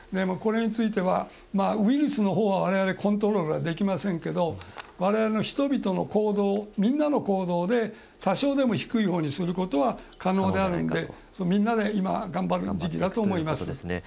これについてはウイルスのほうは、われわれコントロールができませんけどわれわれの人々の行動みんなの行動で多少でも低いほうにすることは可能であるのでみんなで今、頑張る時期だと思います。